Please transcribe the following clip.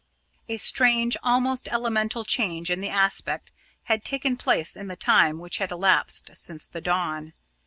A strange, almost elemental, change in the aspect had taken place in the time which had elapsed since the dawn.